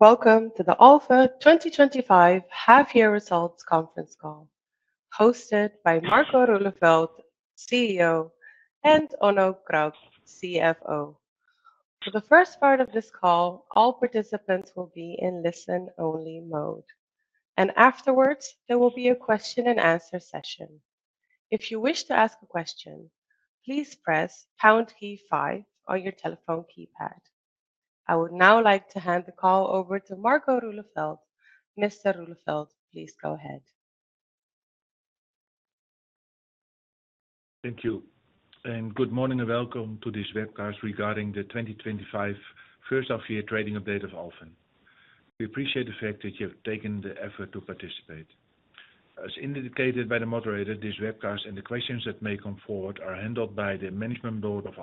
Welcome to the Alfen 2025 Half Year Results Conference Call hosted by Marco Roeleveld, CEO, and Onno Krap, CFO. For the first part of this call, all participants will be in listen-only mode, and afterwards, there will be a question and answer session. If you wish to ask a question, please press the pound key five on your telephone keypad. I would now like to hand the call over to Marco Roeleveld. Mr. Roeleveld, please go ahead. Thank you, and good morning and welcome to this webcast regarding the 2025 First Half Year Trading Update of Alfen. We appreciate the fact that you have taken the effort to participate. As indicated by the moderator, this webcast and the questions that may come forward are handled by the Management Board of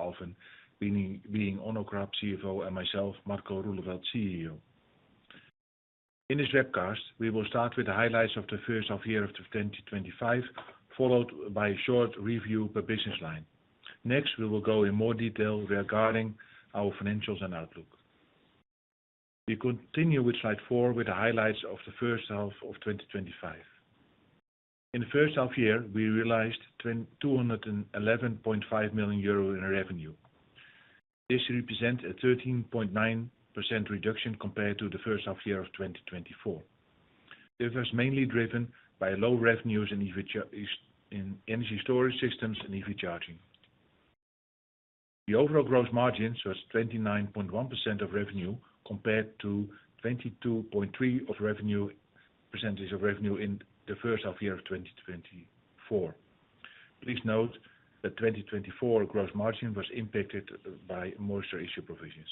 Alfen, being Onno Krap, CFO, and myself, Marco Roeleveld, CEO. In this webcast, we will start with the highlights of the first half year of 2025, followed by a short review per business line. Next, we will go in more detail regarding our financials and outlook. We continue with slide four with the highlights of the first half of 2025. In the first half year, we realized 211.5 million euro in revenue. This represents a 13.9% reduction compared to the first half year of 2024. This was mainly driven by low revenues in energy storage systems and EV charging. The overall gross margins were 29.1% of revenue compared to 22.3% of revenue in the first half year of 2024. Please note that the 2024 gross margin was impacted by moisture issue provisions.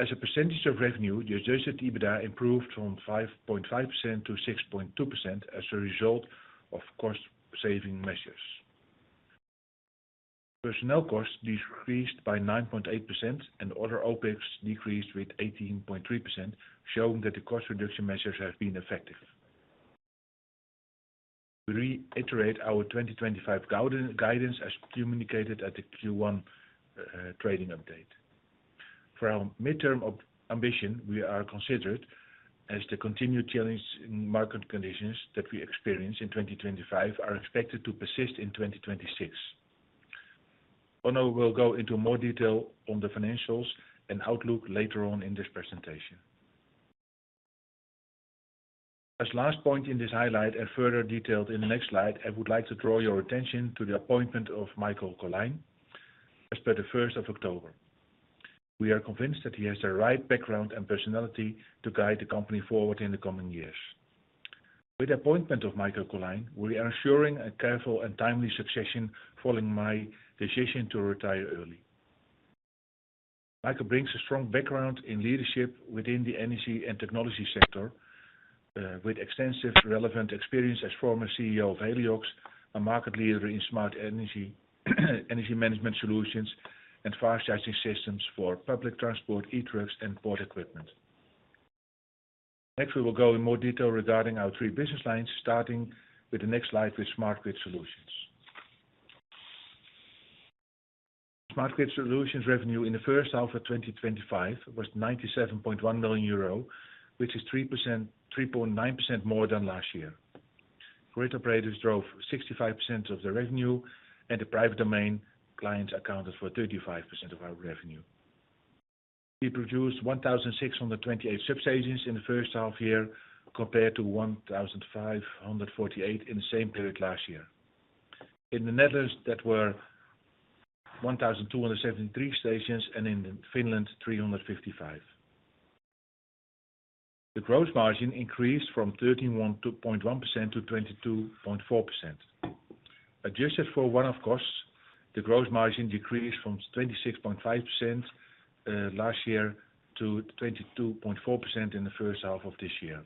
As a percentage of revenue, the adjusted EBITDA improved from 5.5% to 6.2% as a result of cost-saving measures. Personnel costs decreased by 9.8% and other OpEx decreased with 18.3%, showing that the cost reduction measures have been effective. We reiterate our 2025 guidance as communicated at the Q1 trading update. For our midterm ambition, we are considered as the continued challenging market conditions that we experience in 2025 are expected to persist in 2026. Onno will go into more detail on the financials and outlook later on in this presentation. As the last point in this highlight and further detailed in the next slide, I would like to draw your attention to the appointment of Michael Colijn as per the 1st of October. We are convinced that he has the right background and personality to guide the company forward in the coming years. With the appointment of Michael Colijn, we are ensuring a careful and timely succession following my decision to retire early. Michael brings a strong background in leadership within the energy and technology sector, with extensive relevant experience as former CEO of Heliox, a market leader in smart energy management solutions and fast charging systems for public transport, e-trucks, and port equipment. Next, we will go in more detail regarding our three business lines, starting with the next slide with smart grid solutions. Smart grid solutions' revenue in the first half of 2025 was 97.1 million euro, which is 3.9% more than last year. Grid operators drove 65% of the revenue, and the private domain clients accounted for 35% of our revenue. We produced 1,628 substations in the first half year, compared to 1,548 in the same period last year. In the Netherlands, that were 1,273 stations, and in Finland, 355. The gross margin increased from [13.12%] to 22.4%. Adjusted for one-off costs, the gross margin decreased from 26.5% last year to 22.4% in the first half of this year.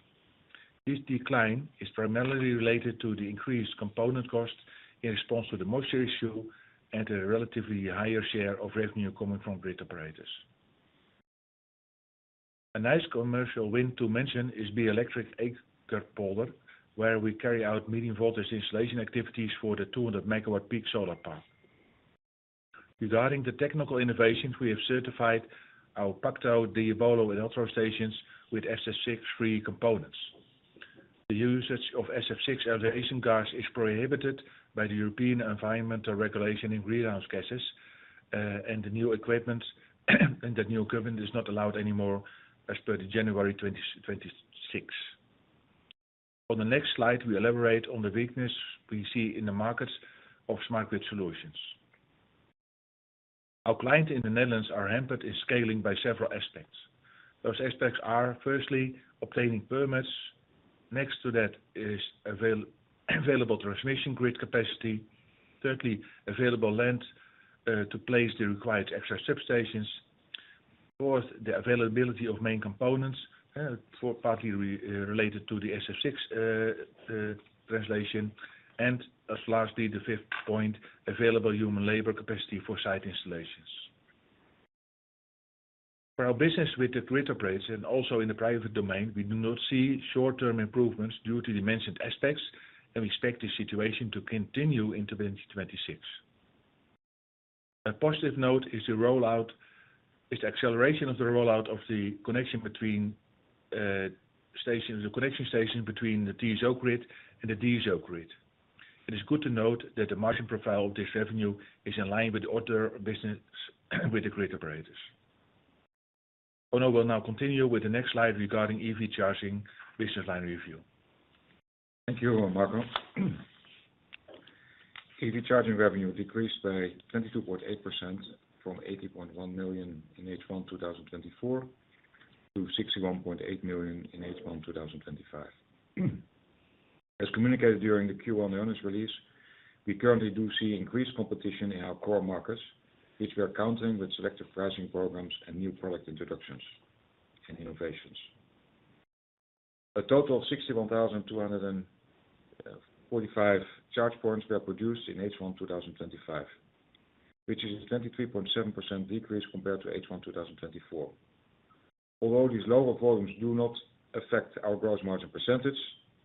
This decline is primarily related to the increased component costs in response to the moisture issue and the relatively higher share of revenue coming from grid operators. A nice commercial win to mention is BELECTRIC Eekerpolder, where we carry out medium voltage installation activities for the 200 MW peak solar park. Regarding the technical innovations, we have certified our Pacto, Diabolo, and Altro stations with SF6-free components. The usage of SF6 aeration guards is prohibited by the European Environmental Regulation in greenhouse gases, and the new equipment is not allowed anymore as per January 2026. On the next slide, we elaborate on the weakness we see in the markets of smart grid solutions. Our clients in the Netherlands are hampered in scaling by several aspects. Those aspects are, firstly, obtaining permits. Next to that is available transmission grid capacity. Thirdly, available land to place the required extra substations. Fourth, the availability of main components, partly related to the SF6 translation. Lastly, the fifth point, available human labor capacity for site installations. For our business with the grid operators and also in the private domain, we do not see short-term improvements due to the mentioned aspects, and we expect this situation to continue into 2026. A positive note is the acceleration of the rollout of the connection station between the TSO grid and the DSO grid. It is good to note that the margin profile of this revenue is in line with the order of business with the grid operators. Onno will now continue with the next slide regarding EV Charging business line review. Thank you, Marco. EV Charging revenue decreased by 22.8% from 80.1 million in H1 2024 to 61.8 million in H1 2025. As communicated during the Q1 earnings release, we currently do see increased competition in our core markets, which we are countering with selective pricing programs and new product introductions and innovations. A total of 61,245 charge points were produced in H1 2025, which is a 23.7% decrease compared to H1 2024. Although these lower volumes do not affect our gross margin percentage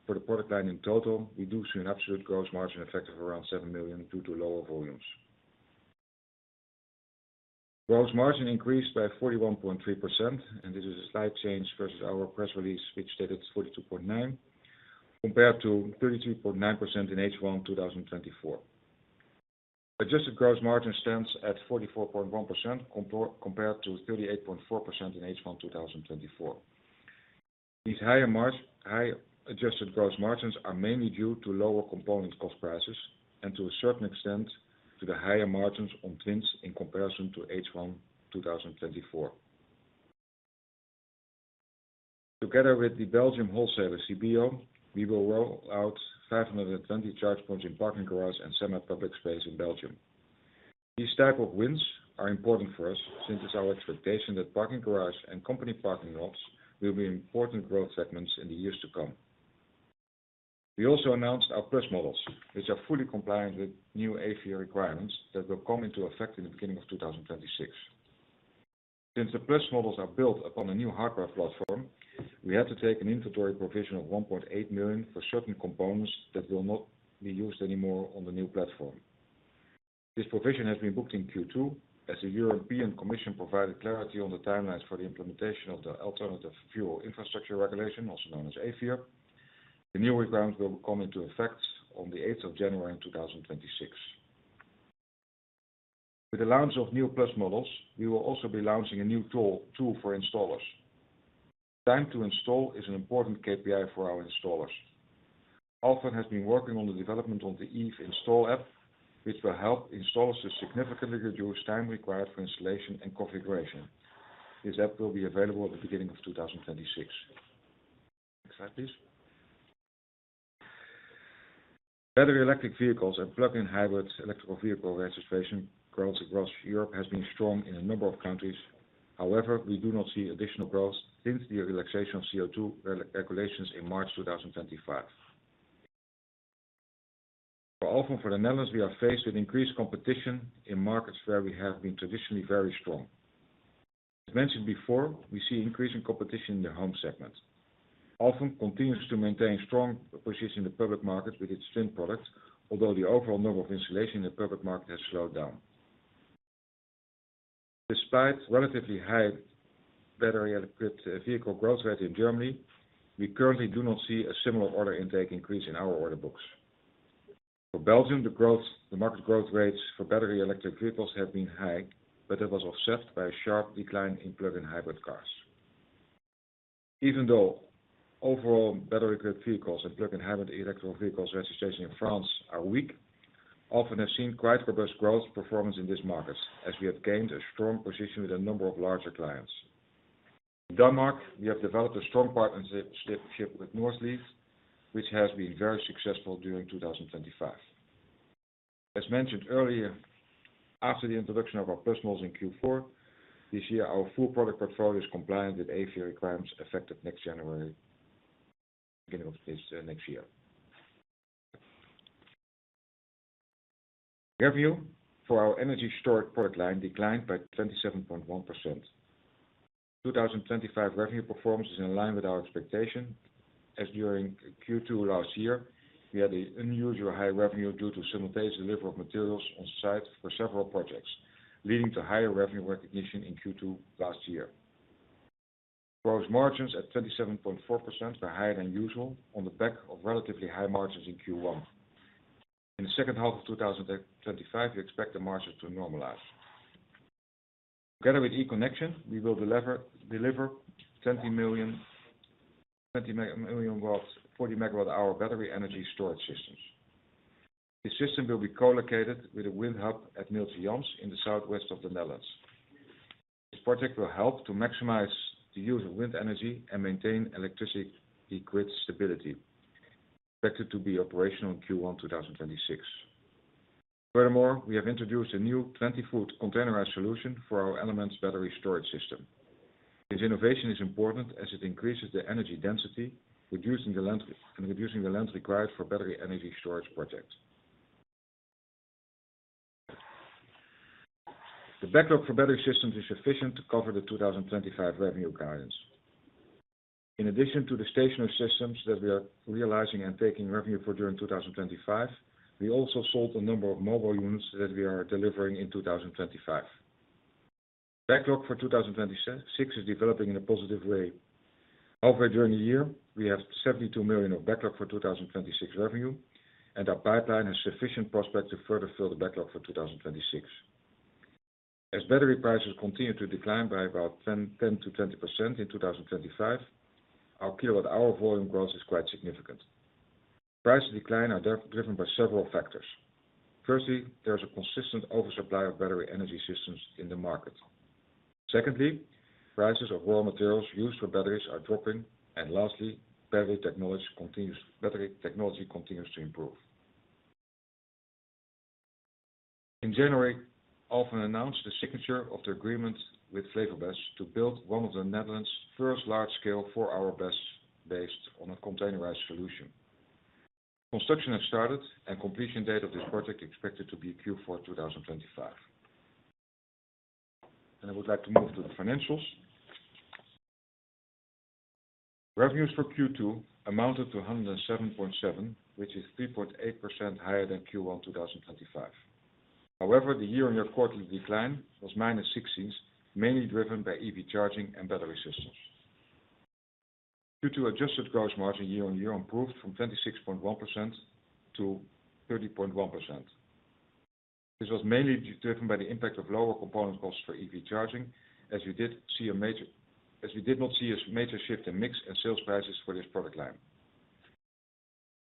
for the product line in total, we do see an absolute gross margin effect of around 7 million due to lower volumes. Gross margin increased by 41.3%, and this is a slight change versus our press release, which stated 42.9% compared to 33.9% in H1 2024. Adjusted gross margin stands at 44.1% compared to 38.4% in H1 2024. These higher adjusted gross margins are mainly due to lower component costs and to a certain extent to the higher margins on Twins in comparison to H1 2024. Together with the Belgium wholesaler CBO, we will roll out 520 charge points in parking garage and semi-public space in Belgium. These types of wins are important for us since it's our expectation that parking garage and company parking lots will be important growth segments in the years to come. We also announced our Plus models, which are fully compliant with new AFIR requirements that will come into effect in the beginning of 2026. Since the Plus models are built upon a new hardware platform, we had to take an inventory provision of 1.8 million for certain components that will not be used anymore on the new platform. This provision has been booked in Q2 as the European Commission provided clarity on the timelines for the implementation of the Alternative Fuels Infrastructure Regulation, also known as AFIR. The new requirements will come into effect on the 8th of January in 2026. With the launch of new Plus models, we will also be launching a new tool for installers. Time to install is an important KPI for our installers. Alfen has been working on the development of the [EV Install] app, which will help installers to significantly reduce time required for installation and configuration. This app will be available at the beginning of 2026. Next slide, please. Battery electric vehicles and plug-in hybrids electric vehicle registration growth across Europe has been strong in a number of countries. However, we do not see additional growth since the relaxation of CO2 regulations in March 2025. For Alfen for the Netherlands, we are faced with increased competition in markets where we have been traditionally very strong. As mentioned before, we see increasing competition in the home segment. Alfen continues to maintain a strong position in the public market with its Twin products, although the overall number of installations in the public market has slowed down. Despite relatively high battery electric vehicle growth rates in Germany, we currently do not see a similar order intake increase in our order books. For Belgium, the market growth rates for battery electric vehicles have been high, but it was offset by a sharp decline in plug-in hybrid cars. Even though overall battery electric vehicles and plug-in hybrid electric vehicles registrations in France are weak, Alfen has seen quite robust growth performance in these markets as we have gained a strong position with a number of larger clients. In Denmark, we have developed a strong partnership with Northleaf, which has been very successful during 2025. As mentioned earlier, after the introduction of our Plus models in Q4 this year, our full product portfolio is compliant with AFIR requirements effective next January, beginning of next year. Revenue for our energy storage product line declined by 27.1%. 2025 revenue performance is in line with our expectation as during Q2 last year, we had an unusually high revenue due to simultaneous delivery of materials on site for several projects, leading to higher revenue recognition in Q2 last year. Gross margins at 27.4% were higher than usual on the back of relatively high margins in Q1. In the second half of 2025, we expect the margin to normalize. Together with E-Connection, we will deliver [20 MW], 40 MWh battery energy storage systems. This system will be co-located with a wind hub at Neeltje Jans in the southwest of the Netherlands. This project will help to maximize the use of wind energy and maintain electricity grid stability, expected to be operational in Q1 2026. Furthermore, we have introduced a new 20 ft containerized solution for our Elements battery storage system. This innovation is important as it increases the energy density, reducing the length required for battery energy storage projects. The backlog for battery systems is sufficient to cover the 2025 revenue guidance. In addition to the stationary systems that we are realizing and taking revenue for during 2025, we also sold a number of mobile units that we are delivering in 2025. Backlog for 2026 is developing in a positive way. Over a year, we have 72 million of backlog for 2026 revenue, and our pipeline has sufficient prospects to further fill the backlog for 2026. As battery prices continue to decline by about 10%-20% in 2025, our KWh volume growth is quite significant. Price declines are driven by several factors. Firstly, there is a consistent oversupply of battery energy systems in the market. Secondly, prices of raw materials used for batteries are dropping. Lastly, battery technology continues to improve. In January, Alfen announced the signature of the agreement with FlevoBESS to build one of the Netherlands' first large-scale four-hour BESS based on a containerized solution. Construction has started, and the completion date of this project is expected to be Q4 2025. I would like to move to the financials. Revenues for Q2 amounted to 107.7 million, which is 3.8% higher than Q1 2025. However, the year-on-year quarterly decline was [-16%], mainly driven by EV Charging and battery systems. Adjusted gross margin year-on-year improved from 26.1% to 30.1%. This was mainly driven by the impact of lower component costs for EV Charging, as we did not see a major shift in mix and sales prices for this product line.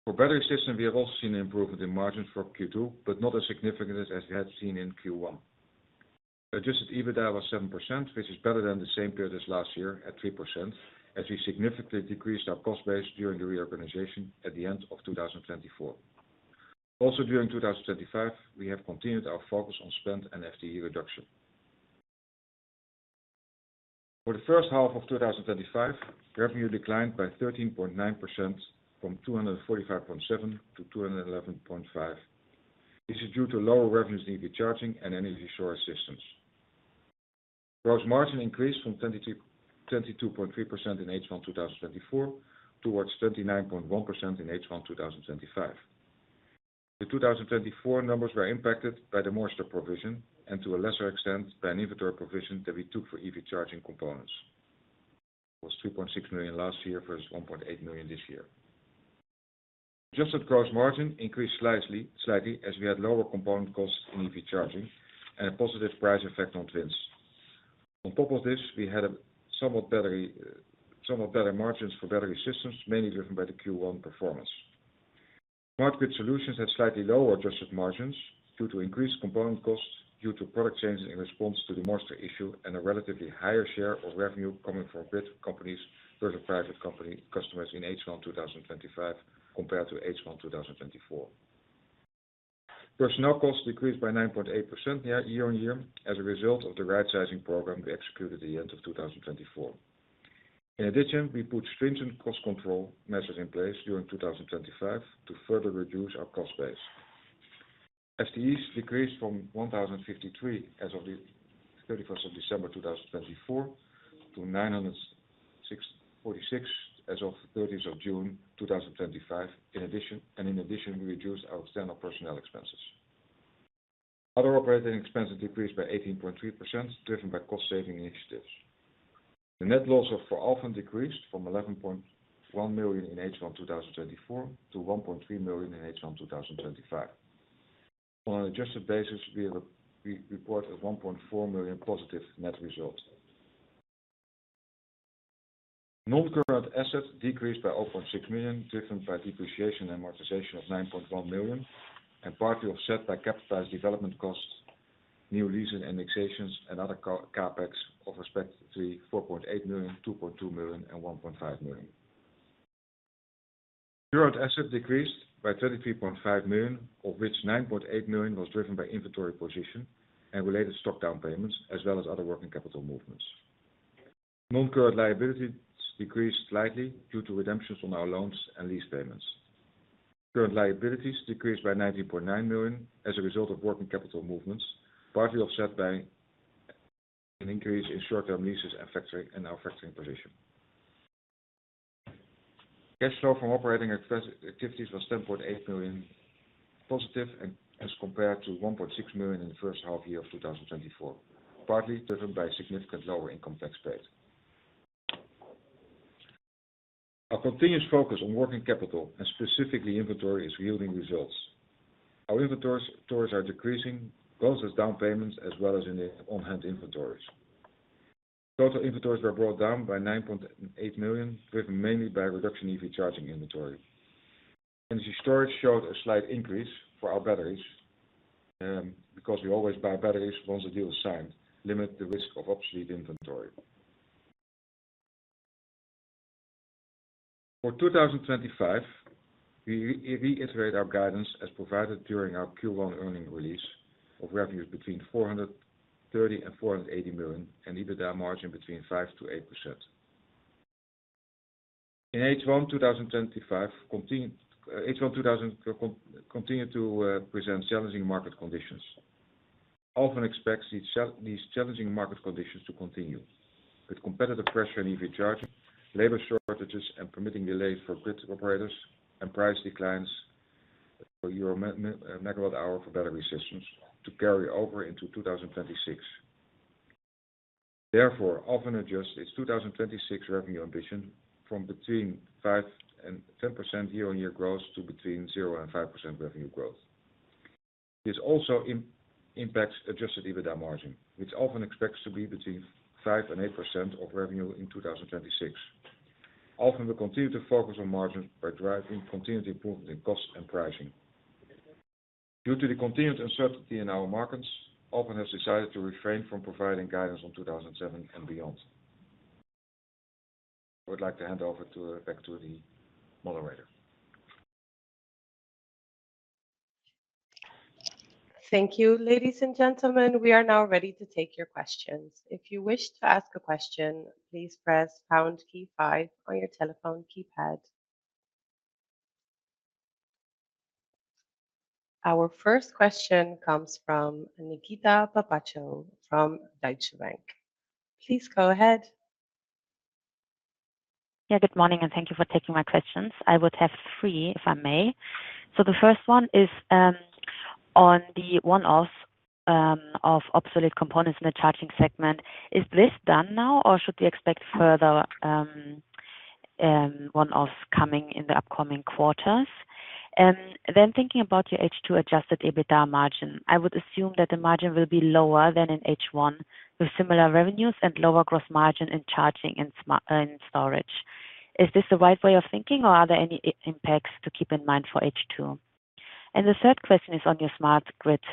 For battery systems, we have also seen an improvement in margins for Q2, but not as significant as we had seen in Q1. Adjusted EBITDA was 7%, which is better than the same period last year at 3%, as we significantly decreased our cost base during the reorganization at the end of 2024. During 2025, we have continued our focus on spend and FTE reduction. For the first half of 2025, revenue declined by 13.9% from 245.7 million to 211.5 million. This is due to lower revenues in EV charging and energy storage systems. Gross margin increased from 22.3% in H1 2024 towards 29.1% in H1 2025. The 2024 numbers were impacted by the moisture provision and to a lesser extent by an inventory provision that we took for EV charging components. It was 3.6 million last year versus 1.8 million this year. Adjusted gross margin increased slightly as we had lower component costs in EV charging and a positive price effect on Twins. On top of this, we had somewhat better margins for battery systems, mainly driven by the Q1 performance. Smart grid solutions had slightly lower adjusted margins due to increased component costs due to product changes in response to the moisture issue, and a relatively higher share of revenue coming from grid companies versus private company customers in H1 2025 compared to H1 2024. Personnel costs decreased by 9.8% year-on-year as a result of the right sizing program we executed at the end of 2024. In addition, we put stringent cost control measures in place during 2025 to further reduce our cost base. FTEs decreased from 1,053 as of 31st of December, 2024, to 946 as of 30th of June, 2025. In addition, we reduced our external personnel expenses. Other operating expenses decreased by 18.3%, driven by cost-saving initiatives. The net losses for Alfen decreased from 11.1 million in H1 2024 to 1.3 million in H1 2025. On an adjusted basis, we have a report of 1.4 million positive net results. Non-current assets decreased by 0.6 million, driven by depreciation and amortization of 9.1 million, and partly offset by capitalized development costs, new leasing indexations, and other CapEx of 4.8 million, 2.2 million, and 1.5 million, respectively. Current assets decreased by 23.5 million, of which 9.8 million was driven by inventory position and related stock down payments, as well as other working capital movements. Non-current liabilities decreased slightly due to redemptions on our loans and lease payments. Current liabilities decreased by 19.9 million as a result of working capital movements, partly offset by an increase in short-term leases and our factoring position. Cash flow from operating activities was 10.8 million positive as compared to 1.6 million in the first half year of 2024, partly driven by significantly lower income tax paid. Our continuous focus on working capital and specifically inventory is yielding results. Our inventories are decreasing, both as down payments as well as in the on-hand inventories. Total inventories were brought down by 9.8 million, driven mainly by reduction in EV charging inventory. Energy storage showed a slight increase for our batteries because we always buy batteries once the deal is signed, limiting the risk of obsolete inventory. For 2025, we reiterate our guidance as provided during our Q1 earnings release of revenues between 430 million and 480 million and EBITDA margin between 5%-8%. In H1 2025, H1 2025 continued to present challenging market conditions. Alfen expects these challenging market conditions to continue with competitive pressure in EV charging, labor shortages, and permitting delays for grid operators, and price declines for MWh for battery systems to carry over into 2026. Therefore, Alfen adjusts its 2026 revenue ambition from between 5% and 10% year-on-year growth to between 0% and 5% revenue growth. This also impacts adjusted EBITDA margin, which Alfen expects to be between 5% and 8% of revenue in 2026. Alfen will continue to focus on margins by driving continued improvement in cost and pricing. Due to the continued uncertainty in our markets, Alfen has decided to refrain from providing guidance on 2027 and beyond. I would like to hand over back to the moderator. Thank you, ladies and gentlemen. We are now ready to take your questions. If you wish to ask a question, please press the pound key five on your telephone keypad. Our first question comes from Nikita Papaccio from Deutsche Bank. Please go ahead. Yeah, good morning, and thank you for taking my questions. I would have three, if I may. The first one is on the one-offs of obsolete components in the charging segment. Is this done now, or should we expect further one-offs coming in the upcoming quarters? Thinking about your H2 adjusted EBITDA margin, I would assume that the margin will be lower than in H1 with similar revenues and lower gross margin in charging and storage. Is this the right way of thinking, or are there any impacts to keep in mind for H2? The third question is on your smart grids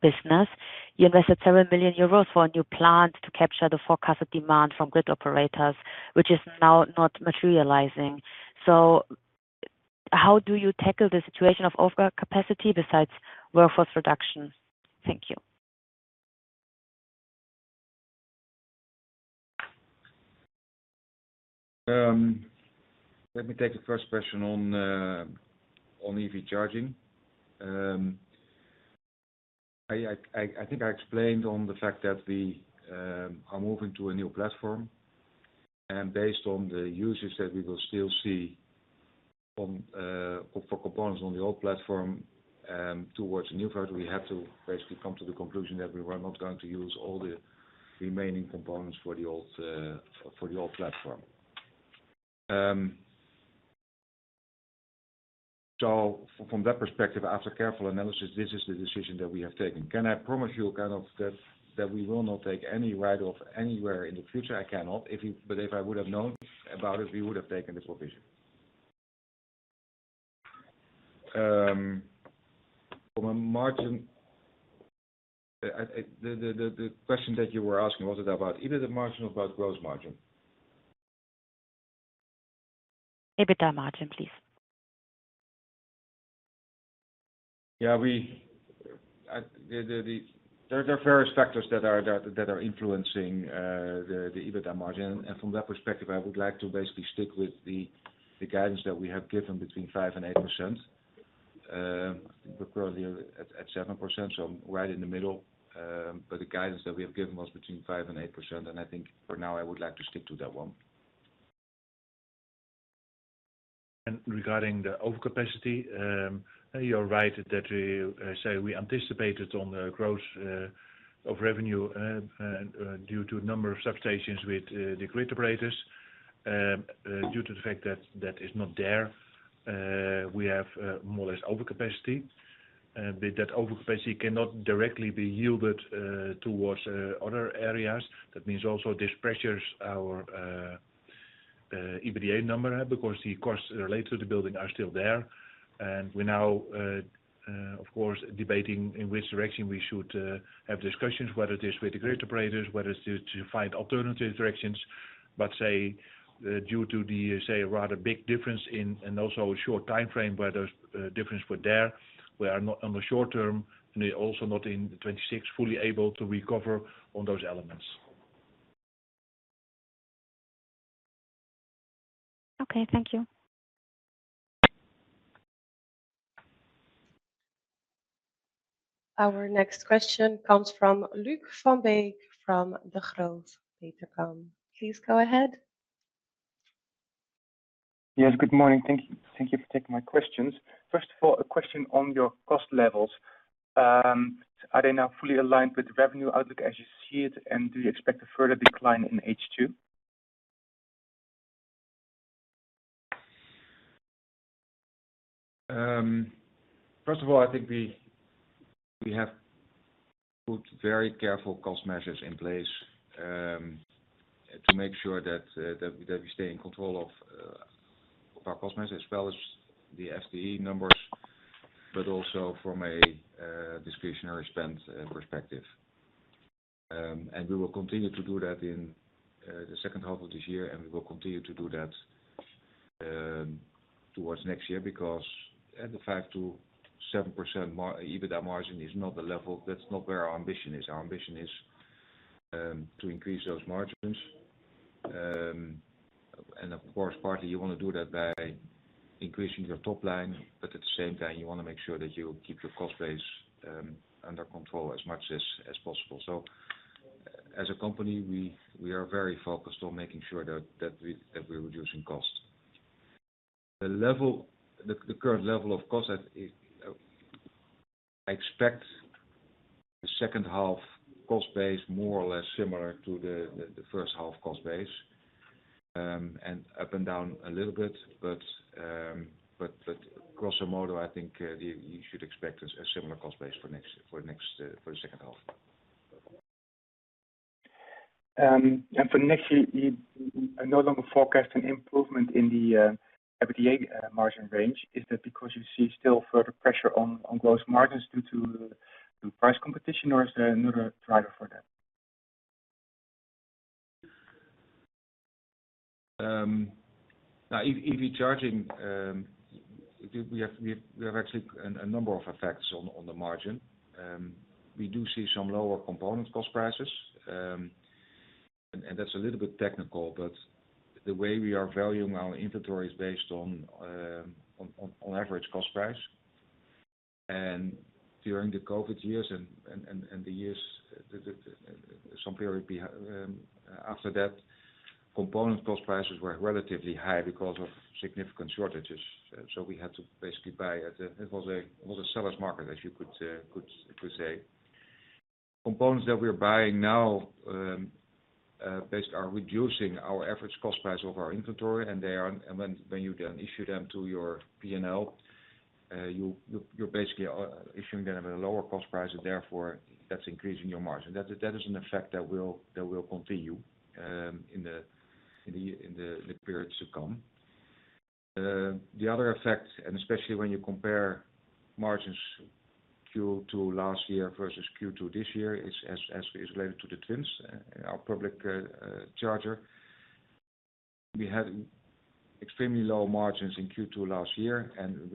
business. You invested 7 million euros for a new plant to capture the forecasted demand from grid operators, which is now not materializing. How do you tackle the situation of overcapacity besides workforce reduction? Thank you. Let me take the first question on EV charging. I think I explained on the fact that we are moving to a new platform. Based on the usage that we will still see for components on the old platform towards the new factory, we had to basically come to the conclusion that we were not going to use all the remaining components for the old platform. From that perspective, after careful analysis, this is the decision that we have taken. Can I promise you that we will not take any write-off anywhere in the future? I cannot. If I would have known about it, we would have taken the provision. From a margin, the question that you were asking, was it about either the margin or about gross margin? EBITDA margin, please. Yeah, there are various factors that are influencing the EBITDA margin. From that perspective, I would like to basically stick with the guidance that we have given between 5% and 8%. I think we're currently at 7%, so I'm right in the middle. The guidance that we have given was between 5% and 8%. I think for now, I would like to stick to that one. Regarding the overcapacity, you're right that we say we anticipated on the growth of revenue due to a number of substations with the grid operators. Due to the fact that that is not there, we have more or less overcapacity. That overcapacity cannot directly be yielded towards other areas. That means also this pressures our EBITDA number because the costs related to the building are still there. We're now, of course, debating in which direction we should have discussions, whether it is with the grid operators, whether it's to find alternative directions. Due to the rather big difference in and also a short timeframe where the difference was there, we are not on the short term, and also not in 2026, fully able to recover on those elements. Okay, thank you. Our next question comes from Luuk Van Beek from Bank Degroof Petercam. Please go ahead. Yes, good morning. Thank you for taking my questions. First of all, a question on your cost levels. Are they now fully aligned with the revenue outlook as you see it, and do you expect a further decline in H2? First of all, I think we have put very careful cost measures in place to make sure that we stay in control of our cost measures, as well as the FTE numbers, but also from a discretionary spend perspective. We will continue to do that in the second half of this year, and we will continue to do that towards next year because at the 5%-7% EBITDA margin is not the level that's not where our ambition is. Our ambition is to increase those margins. Of course, partly you want to do that by increasing your top line, but at the same time, you want to make sure that you keep your cost base under control as much as possible. As a company, we are very focused on making sure that we're reducing cost. The current level of cost, I expect the second half cost base more or less similar to the first half cost base, and up and down a little bit. Grosso modo, I think you should expect a similar cost base for the second half. For next year, you are no longer forecasting improvement in the EBITDA margin range. Is that because you see still further pressure on gross margins due to the price competition, or is there another driver for that? EV charging, we have actually a number of effects on the margin. We do see some lower component cost prices. That's a little bit technical, but the way we are valuing our inventory is based on average cost price. During the COVID years and the years, some period after that, component cost prices were relatively high because of significant shortages. We had to basically buy at a, it was a seller's market, as you could say. Components that we're buying now basically are reducing our average cost price of our inventory. When you then issue them to your P&L, you're basically issuing them at a lower cost price, and therefore, that's increasing your margin. That is an effect that will continue in the periods to come. The other effect, especially when you compare margins Q2 last year versus Q2 this year, is as related to the Twins, our public charger. We had extremely low margins in Q2 last year, and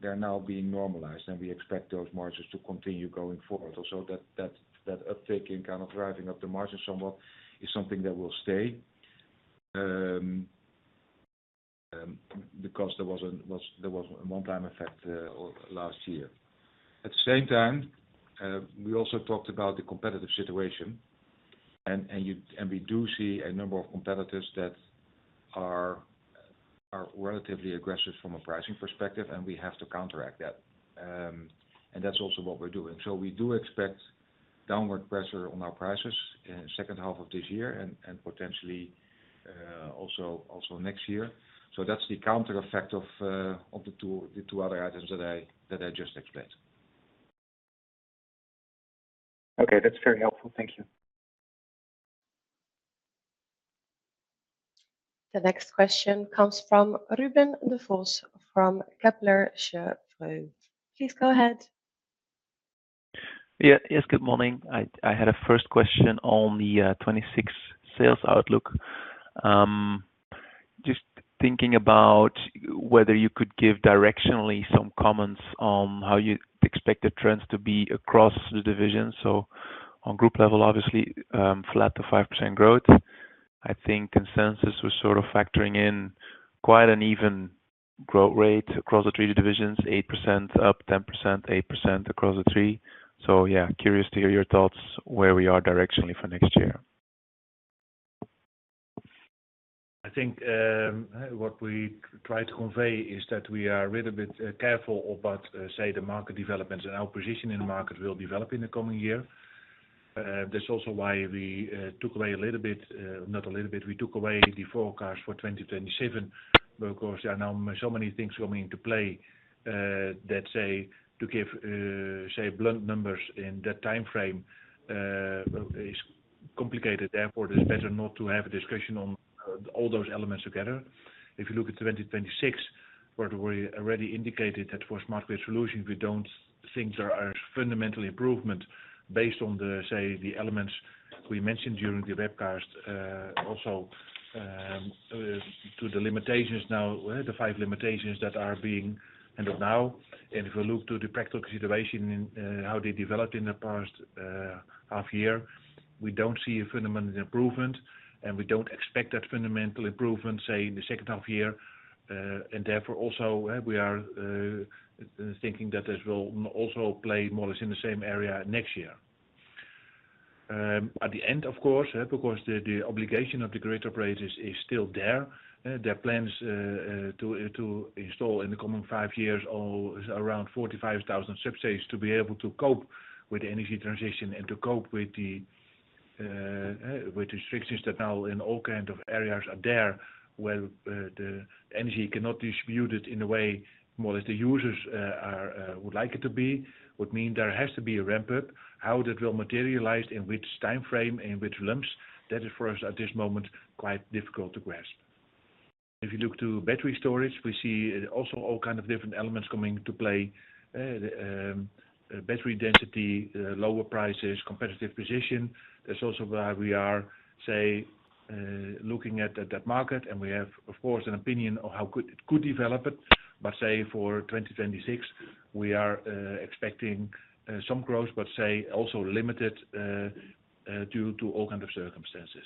they're now being normalized, and we expect those margins to continue going forward. Also, that uptick in kind of driving up the margin somewhat is something that will stay because there was a one-time effect last year. At the same time, we also talked about the competitive situation, and we do see a number of competitors that are relatively aggressive from a pricing perspective, and we have to counteract that. That's also what we're doing. We do expect downward pressure on our prices in the second half of this year and potentially also next year. That's the counter effect of the two other items that I just explained. Okay, that's very helpful. Thank you. The next question comes from Ruben Devos from Kepler Cheuvreux. Please go ahead. Yeah, yes, good morning. I had a first question on the 2026 sales outlook. Just thinking about whether you could give directionally some comments on how you expect the trends to be across the divisions. On group level, obviously, flat to 5% growth. I think consensus was sort of factoring in quite an even growth rate across the three divisions, 8% up, 10%, 8% across the three. Curious to hear your thoughts where we are directionally for next year. I think what we try to convey is that we are a little bit careful about, say, the market developments and our position in the market will develop in the coming year. That's also why we took away a little bit, not a little bit, we took away the forecast for 2027. Of course, there are now so many things coming into play that, say, to give, say, blunt numbers in that timeframe, it's complicated. Therefore, it's better not to have a discussion on all those elements together. If you look at 2026, where we already indicated that for smart grid solutions, we don't think there are fundamental improvements based on the, say, the elements we mentioned during the webcast. Also, to the limitations now, the five limitations that are being handled now. If we look to the practical situation in how they developed in the past half year, we don't see a fundamental improvement, and we don't expect that fundamental improvement, say, in the second half year. Therefore, also, we are thinking that this will also play more or less in the same area next year. At the end, of course, because the obligation of the grid operators is still there, their plans to install in the coming five years are around 45,000 subsidies to be able to cope with the energy transition and to cope with the restrictions that now in all kinds of areas are there, where the energy cannot be distributed in a way more or less the users would like it to be, would mean there has to be a ramp-up. How that will materialize in which timeframe and in which lumps, that is for us at this moment quite difficult to grasp. If you look to battery storage, we see also all kinds of different elements coming into play: battery density, lower prices, competitive position. That's also why we are, say, looking at that market. We have, of course, an opinion of how it could develop. Say for 2026, we are expecting some growth, but say also limited due to all kinds of circumstances.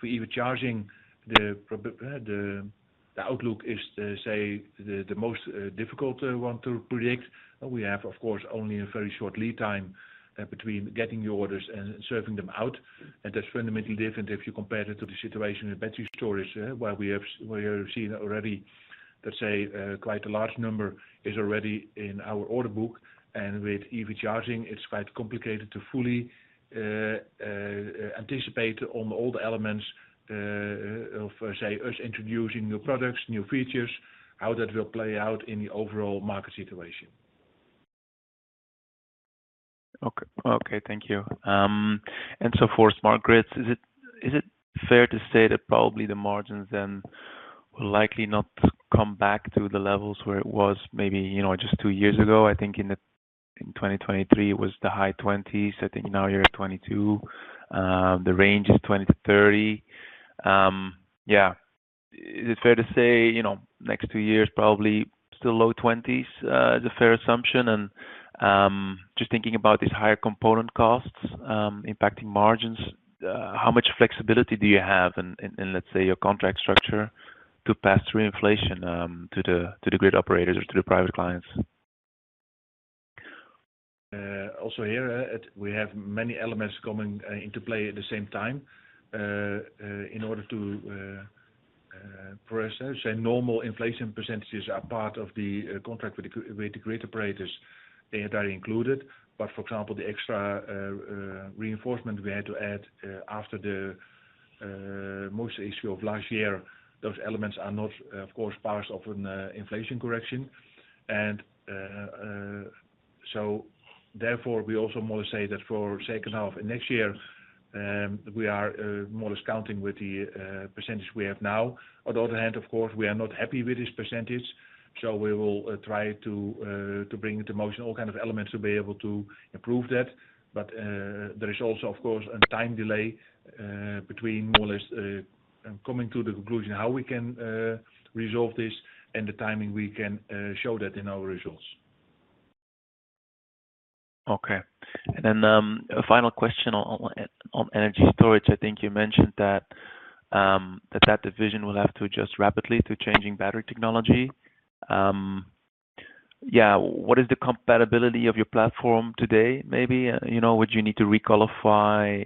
For EV Charging, the outlook is, say, the most difficult one to predict. We have, of course, only a very short lead time between getting your orders and serving them out. That's fundamentally different if you compare it to the situation in battery storage where we have seen already that, say, quite a large number is already in our order book. With EV Charging, it's quite complicated to fully anticipate on all the elements of, say, us introducing new products, new features, how that will play out in the overall market situation. Okay, thank you. For smart grid solutions, is it fair to say that probably the margins then will likely not come back to the levels where it was maybe, you know, just two years ago? I think in 2023, it was the high 20%. I think now you're at 22%. The range is 20%-30%. Yeah. Is it fair to say, you know, next two years, probably still low 20% is a fair assumption? Just thinking about these higher component costs impacting margins, how much flexibility do you have in, let's say, your contract structure to pass through inflation to the grid operators or to the private clients? Also here, we have many elements coming into play at the same time. In order to process, say, normal inflation percentages are part of the contract with the grid operators. They are included. For example, the extra reinforcement we had to add after the moisture issue of last year, those elements are not, of course, part of an inflation correction. Therefore, we also more or less say that for the second half of next year, we are more or less counting with the percentage we have now. On the other hand, of course, we are not happy with this percentage. We will try to bring into motion all kinds of elements to be able to improve that. There is also, of course, a time delay between more or less coming to the conclusion how we can resolve this and the timing we can show that in our results. Okay. A final question on energy storage. I think you mentioned that that division will have to adjust rapidly to changing battery technology. What is the compatibility of your platform today? Maybe, would you need to re-qualify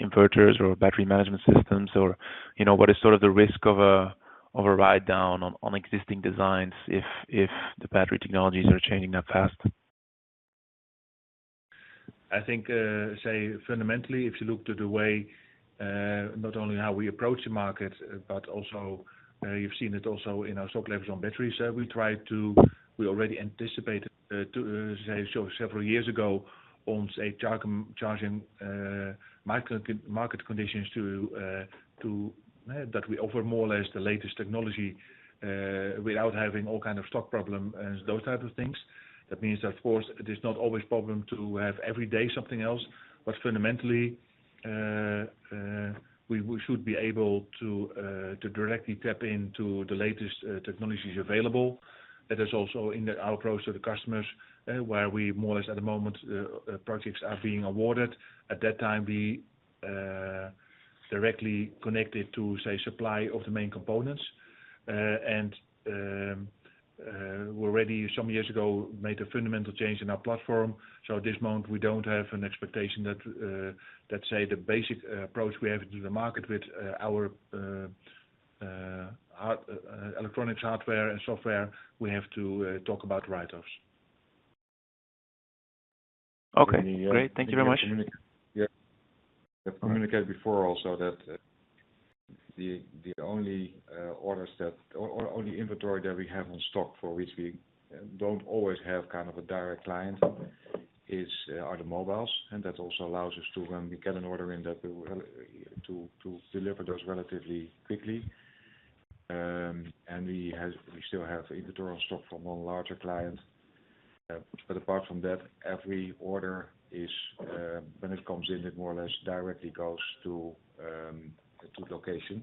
inverters or battery management systems, or what is the risk of a write-down on existing designs if the battery technologies are changing that fast? I think, fundamentally, if you look to the way, not only how we approach the market, but also you've seen it also in our stock levels on batteries. We try to, we already anticipated several years ago on charging market conditions to that we offer more or less the latest technology without having all kinds of stock problems and those types of things. That means that, of course, it is not always a problem to have every day something else. Fundamentally, we should be able to directly tap into the latest technologies available. There's also in our approach to the customers where we more or less at the moment, projects are being awarded. At that time, we directly connected to supply of the main components. We already some years ago made a fundamental change in our platform. At this moment, we don't have an expectation that the basic approach we have to the market with our electronics hardware and software, we have to talk about write-offs. Okay, great. Thank you very much. I've communicated before also that the only orders or only inventory that we have on stock for which we don't always have kind of a direct client are the mobiles. That also allows us to, when we get an order in, deliver those relatively quickly. We still have inventory on stock for a more larger client. Apart from that, every order is, when it comes in, it more or less directly goes to the location.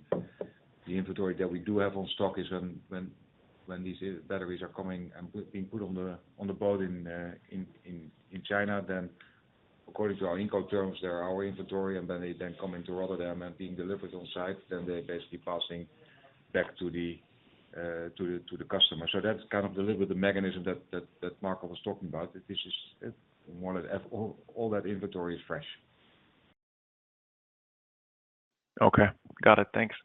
The inventory that we do have on stock is when these batteries are coming and being put on the boat in China. According to our incoterms, they're our inventory, and then they come into Rotterdam and are delivered on site. They're basically passing back to the customer. That's kind of the little bit of the mechanism that Marco was talking about. This is more or less all that inventory is fresh. Okay. Got it. Thanks.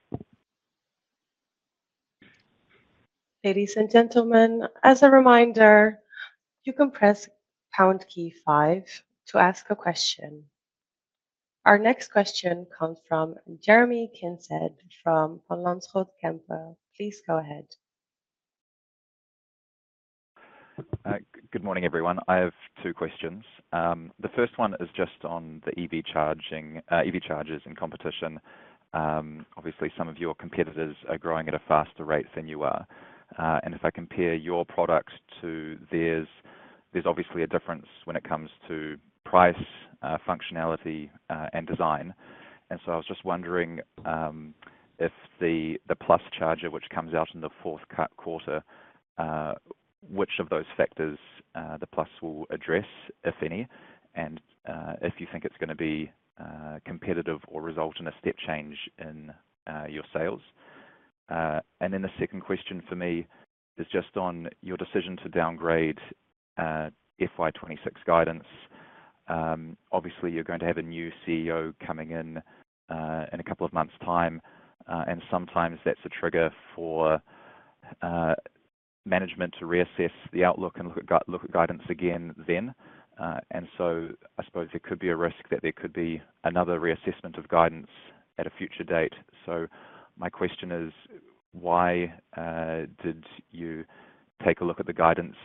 Ladies and gentlemen, as a reminder, you can press pound key five to ask a question. Our next question comes from Jeremy Kincaid from Van Lanschot Kempen. Please go ahead. Good morning, everyone. I have two questions. The first one is just on the EV charging EV chargers in competition. Obviously, some of your competitors are growing at a faster rate than you are. If I compare your products to theirs, there's obviously a difference when it comes to price, functionality, and design. I was just wondering if the Plus charger, which comes out in the fourth quarter, which of those factors the Plus will address, if any, and if you think it's going to be competitive or result in a step change in your sales. The second question for me is just on your decision to downgrade FY26 guidance. Obviously, you're going to have a new CEO coming in in a couple of months' time. Sometimes that's a trigger for management to reassess the outlook and look at guidance again then. I suppose there could be a risk that there could be another reassessment of guidance at a future date. My question is, why did you take a look at the guidance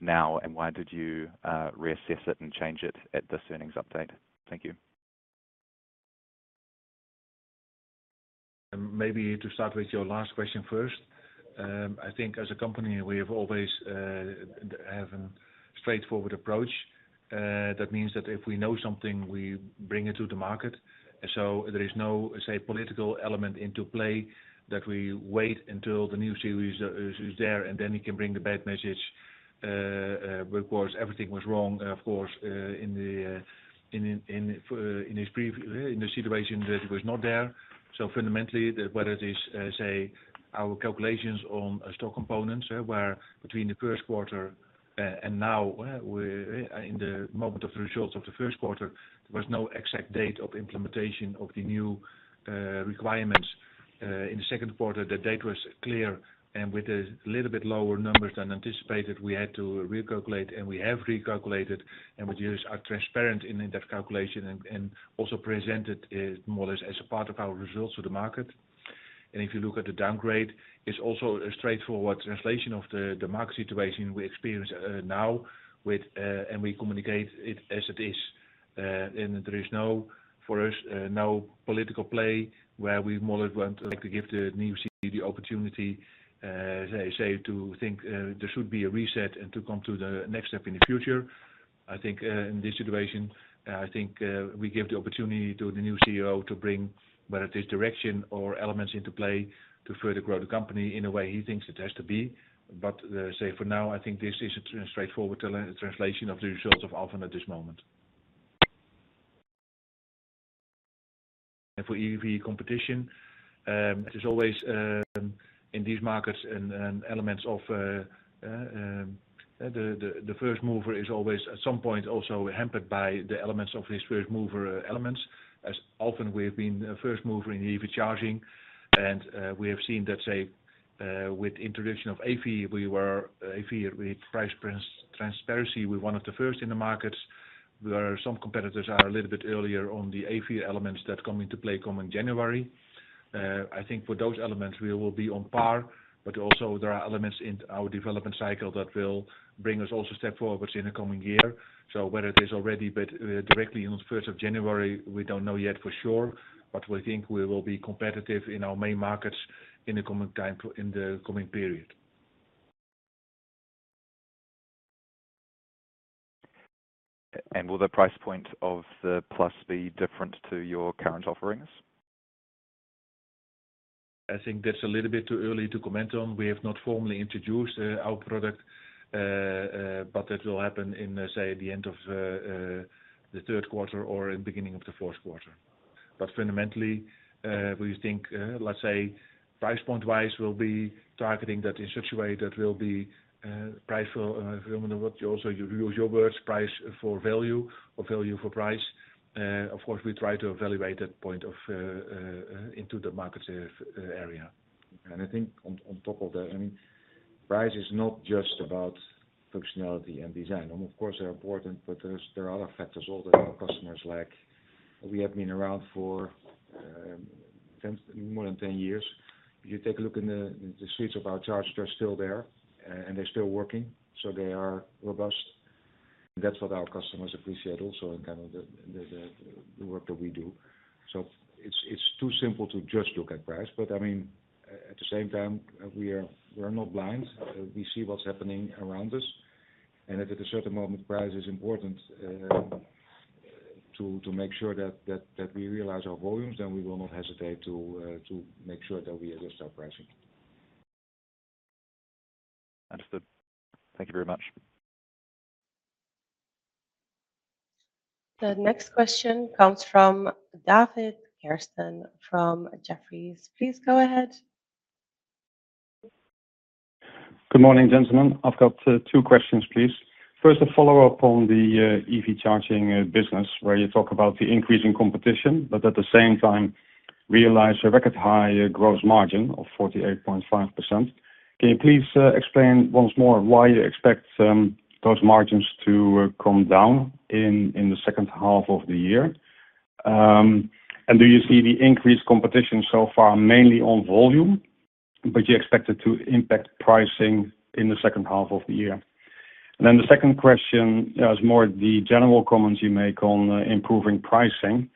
now, and why did you reassess it and change it at this earnings update? Thank you. Maybe to start with your last question first, I think as a company, we have always had a straightforward approach. That means that if we know something, we bring it to the market. There is no, say, political element into play that we wait until the new series is there, and then he can bring the bad message. Of course, everything was wrong, of course, in the situation that it was not there. Fundamentally, whether it is, say, our calculations on stock components, where between the first quarter and now, we're in the moment of the results of the first quarter, there was no exact date of implementation of the new requirements. In the second quarter, the date was clear. With a little bit lower numbers than anticipated, we had to recalculate, and we have recalculated, and we just are transparent in that calculation and also present it more or less as a part of our results to the market. If you look at the downgrade, it's also a straightforward translation of the market situation we experience now, and we communicate it as it is. There is no, for us, no political play where we more or less want to give the new CEO the opportunity, say, to think there should be a reset and to come to the next step in the future. I think in this situation, I think we give the opportunity to the new CEO to bring, whether it is direction or elements into play, to further grow the company in a way he thinks it has to be. For now, I think this is a straightforward translation of the results of Alfen at this moment. For EV competition, it is always in these markets and elements of the first mover is always at some point also hampered by the elements of his first mover elements. As often, we have been the first mover in EV charging. We have seen that, say, with the introduction of AFIR, we were AFIR with price transparency. We were one of the first in the markets where some competitors are a little bit earlier on the AFIR elements that come into play coming January. I think for those elements, we will be on par. There are elements in our development cycle that will bring us also step forwards in the coming year. Whether it is already directly on the 1st of January, we don't know yet for sure. We think we will be competitive in our main markets in the coming time in the coming period. Will the price point of the Plus be different to your current offerings? I think that's a little bit too early to comment on. We have not formally introduced our product, but that will happen at the end of the third quarter or in the beginning of the fourth quarter. Fundamentally, we think, let's say, price point-wise, we'll be targeting that in such a way that we'll be price for, what you also use your words, price for value or value for price. Of course, we try to evaluate that point into the market area. I think on top of that, price is not just about functionality and design. Of course, they're important, but there are other factors that our customers like. We have been around for more than 10 years. If you take a look in the suits of our chargers, they're still there, and they're still working. They are robust, and that's what our customers appreciate also in the kind of work that we do. It's too simple to just look at price. At the same time, we are not blind. We see what's happening around us. At a certain moment, price is important to make sure that we realize our volumes, and we will not hesitate to make sure that we adjust our pricing. Understood. Thank you very much. The next question comes from David Kerstens from Jefferies. Please go ahead. Good morning, gentlemen. I've got two questions, please. First, a follow-up on the EV charging business where you talk about the increasing competition, but at the same time, realize a record high gross margin of 48.5%. Can you please explain once more why you expect those margins to come down in the second half of the year? Do you see the increased competition so far mainly on volume, but you expect it to impact pricing in the second half of the year? The second question is more the general comments you make on improving pricing.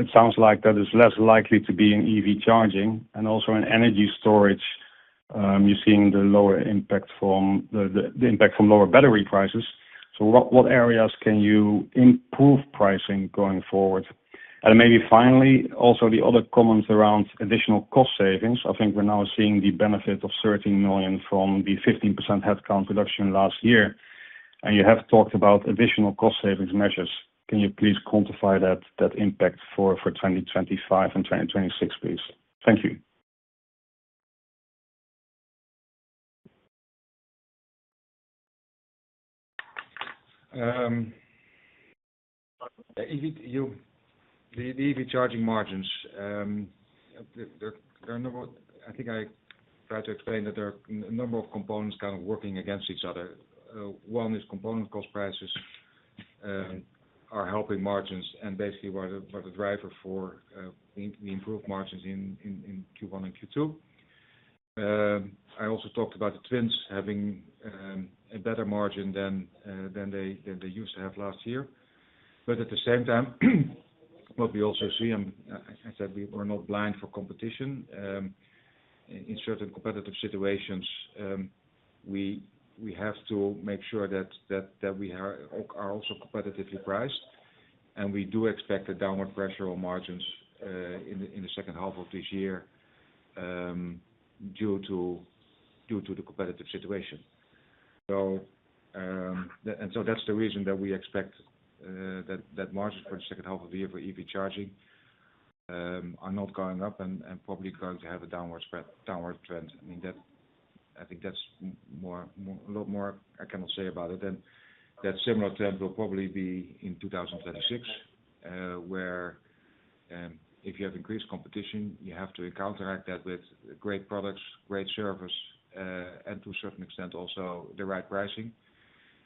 It sounds like that is less likely to be in EV charging and also in energy storage. You're seeing the lower impact from the impact from lower battery prices. What areas can you improve pricing going forward? Maybe finally, also the other comments around additional cost savings. I think we're now seeing the benefit of 13 million from the 15% headcount reduction last year, and you have talked about additional cost savings measures. Can you please quantify that impact for 2025 and 2026, please? Thank you. The EV charging margins, I think I tried to explain that there are a number of components kind of working against each other. One is component cost prices are helping margins and basically were the driver for the improved margins in Q1 and Q2. I also talked about the Twins having a better margin than they used to have last year. At the same time, what we also see, I said we were not blind for competition. In certain competitive situations, we have to make sure that we are also competitively priced. We do expect a downward pressure on margins in the second half of this year due to the competitive situation. That's the reason that we expect that margins for the second half of the year for EV charging are not going up and probably going to have a downward trend. I mean, I think that's a lot more I cannot say about it. That similar trend will probably be in 2026, where if you have increased competition, you have to counteract that with great products, great service, and to a certain extent also the right pricing.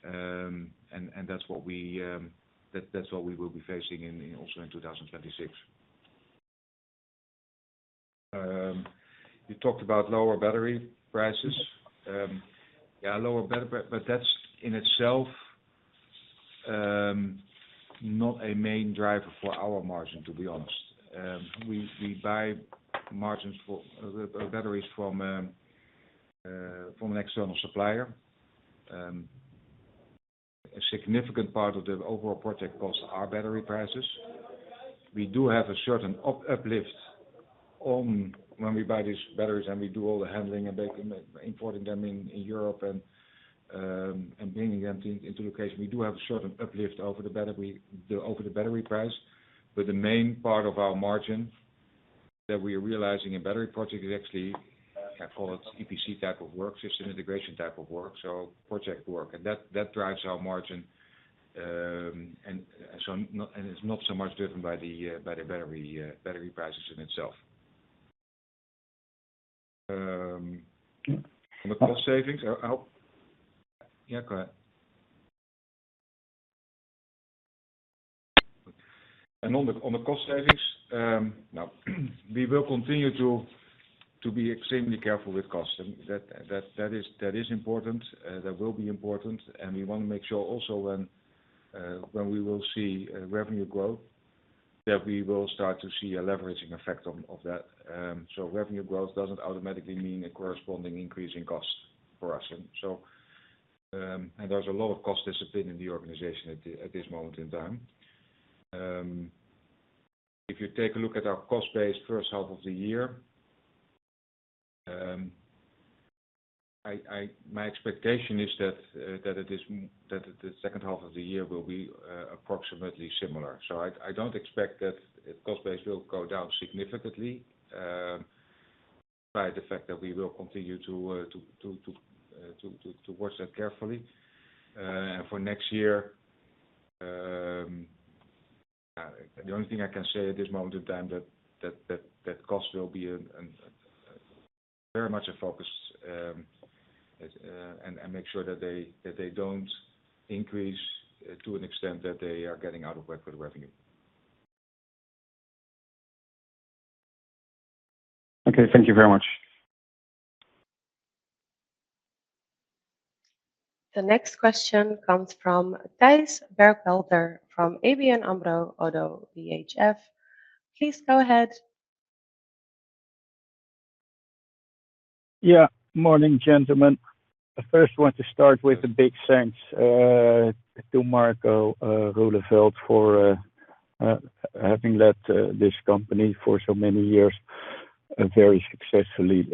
That's what we will be facing also in 2026. You talked about lower battery prices. Yeah, lower, but that's in itself not a main driver for our margin, to be honest. We buy batteries from an external supplier. A significant part of the overall project costs are battery prices. We do have a certain uplift when we buy these batteries and we do all the handling and importing them in Europe and bringing them into the location. We do have a certain uplift over the battery price. The main part of our margin that we are realizing in battery projects is actually, yeah, I call it EPC type of work, system integration type of work, so project work. That drives our margin. It's not so much driven by the battery prices in itself. On the cost savings, I hope. Yeah, go ahead. On the cost savings, we will continue to be extremely careful with cost. That is important. That will be important. We want to make sure also when we will see revenue growth, that we will start to see a leveraging effect of that. Revenue growth doesn't automatically mean a corresponding increase in cost for us. There is a lot of cost discipline in the organization at this moment in time. If you take a look at our cost base first half of the year, my expectation is that the second half of the year will be approximately similar. I don't expect that cost base will go down significantly by the fact that we will continue to watch that carefully. For next year, the only thing I can say at this moment in time is that cost will be very much a focus and make sure that they don't increase to an extent that they are getting out of record revenue. Okay, thank you very much. The next question comes from Thijs Berkelder from ABN AMRO - ODDO BHF. Please go ahead. Yeah. Morning, gentlemen. I first want to start with a big thanks to Marco Roeleveld for having led this company for so many years, very successfully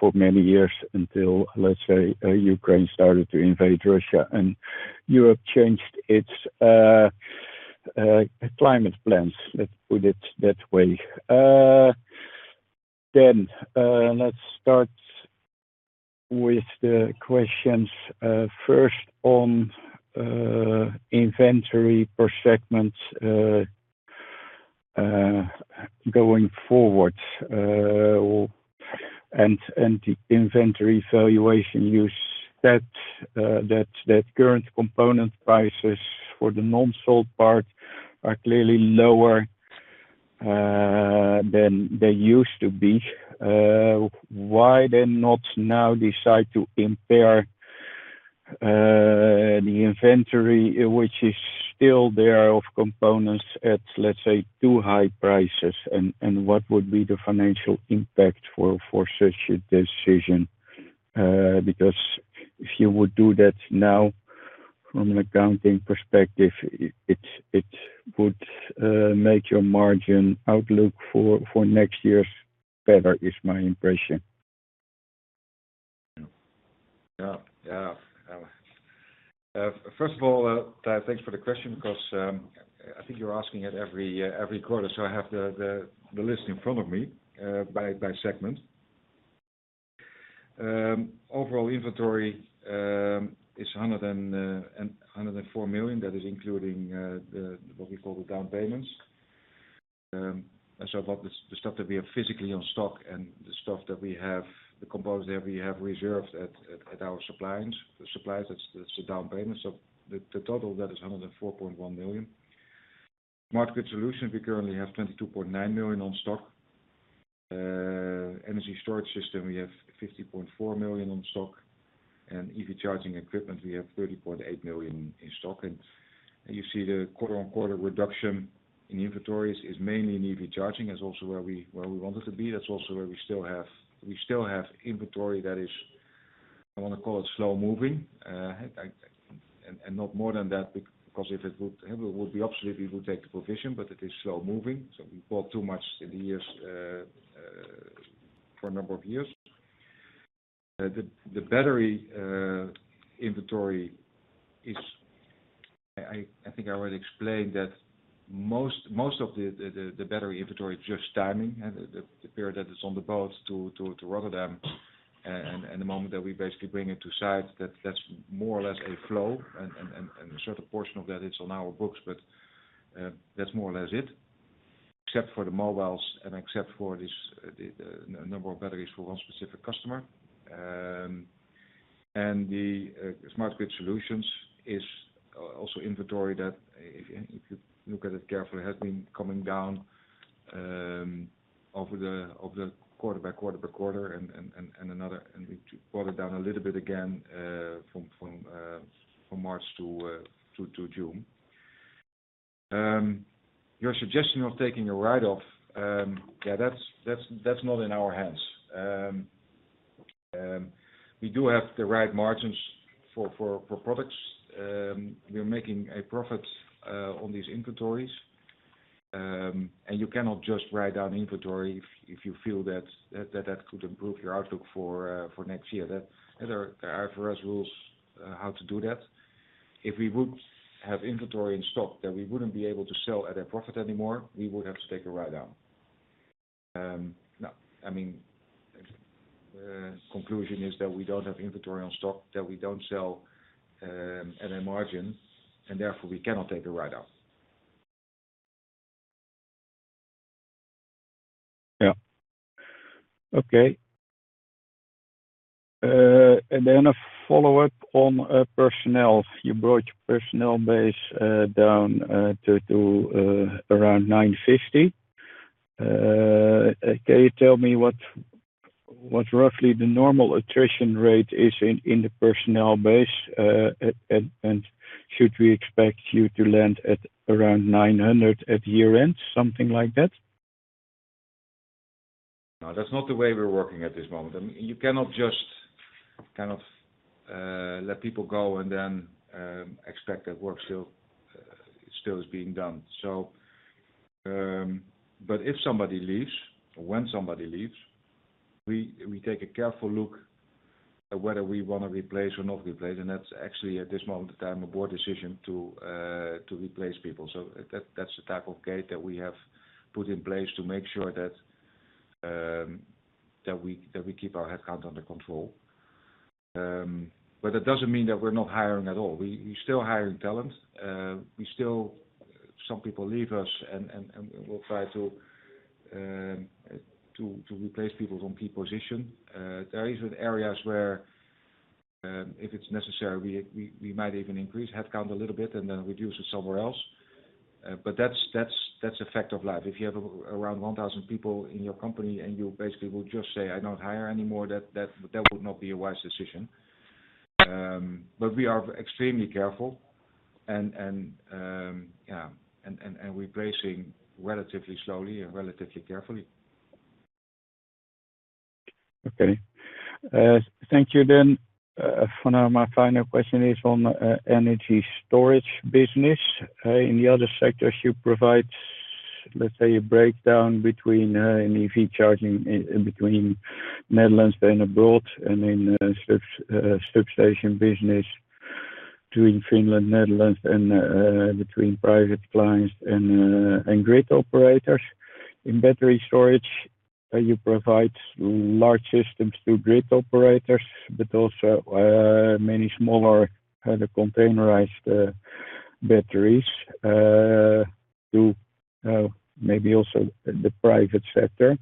for many years until, let's say, Ukraine started to invade Russia and Europe changed its climate plans. We did that way. Let's start with the questions. First, on inventory per segment going forward. The inventory valuation used, that current component prices for the non-sold part are clearly lower than they used to be. Why then not now decide to impair the inventory, which is still there of components at, let's say, too high prices? What would be the financial impact for such a decision? Because if you would do that now from an accounting perspective, it would make your margin outlook for next year’s better, is my impression. Yeah. First of all, thanks for the question because I think you're asking it every quarter. I have the list in front of me by segment. Overall inventory is 104 million. That is including what we call the down payments. The stuff that we have physically on stock and the components that we have reserved at our suppliers, that's the down payment. The total of that is 104.1 million. Smart grid solutions, we currently have 22.9 million on stock. Energy storage system, we have 50.4 million on stock. EV charging equipment, we have 30.8 million in stock. You see the quarter-on-quarter reduction in inventories is mainly in EV charging. That's also where we wanted to be. That's also where we still have inventory that is, I want to call it slow-moving, and not more than that because if it would be obsolete, we would take the provision, but it is slow-moving. We bought too much in the years for a number of years. The battery inventory is, I think I already explained that most of the battery inventory is just timing. The period that it's on the boat to Rotterdam and the moment that we basically bring it to site, that's more or less a flow. A certain portion of that is on our books, but that's more or less it, except for the mobiles and except for a number of batteries for one specific customer. The smart grid solutions is also inventory that, if you look at it carefully, has been coming down over the quarter by quarter by quarter. We brought it down a little bit again from March to June. Your suggestion of taking a write-off, that's not in our hands. We do have the right margins for products. We're making a profit on these inventories. You cannot just write down inventory if you feel that that could improve your outlook for next year. There are various rules how to do that. If we would have inventory in stock that we wouldn't be able to sell at a profit anymore, we would have to take a write-off. The conclusion is that we don't have inventory on stock that we don't sell at a margin, and therefore, we cannot take a write-off. Okay. A follow-up on personnel. You brought your personnel base down to around 950. Can you tell me what roughly the normal attrition rate is in the personnel base? Should we expect you to land at around 900 at year-end, something like that? No, that's not the way we're working at this moment. I mean, you cannot just kind of let people go and then expect that work still is being done. If somebody leaves or when somebody leaves, we take a careful look at whether we want to replace or not replace. That's actually, at this moment in time, a board decision to replace people. That's the type of gate that we have put in place to make sure that we keep our headcount under control. That doesn't mean that we're not hiring at all. We're still hiring talent. Some people leave us, and we'll try to replace people from key positions. There are areas where, if it's necessary, we might even increase headcount a little bit and then reduce it somewhere else. That's a fact of life. If you have around 1,000 people in your company and you basically will just say, "I don't hire anymore," that would not be a wise decision. We are extremely careful and replacing relatively slowly and relatively carefully. Okay. Thank you. For now, my final question is on the energy storage business. In the other sectors, you provide, let's say, a breakdown between EV charging between the Netherlands and abroad, and smart grid solutions business between Finland, the Netherlands, and between private clients and grid operators. In battery storage, you provide large systems to grid operators, but also many smaller containerized batteries to maybe also the private sector.